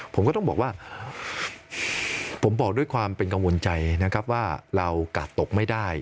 ผมก็ต้องบอกว่าผมบอกด้วยความเป็นกังวลใจนะครับว่าเรากาดตกไม่ได้